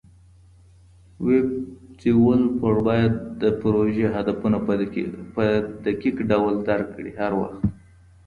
ویب ډیولپر باید د پروژې هدفونه په دقیق ډول درک کړي هر وخت.